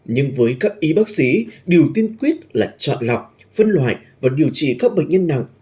nhưng với các y bác sĩ điều tiên quyết là chọn lọc phân loại và điều trị các bệnh nhân nặng